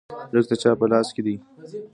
رزق د چا په لاس کې دی؟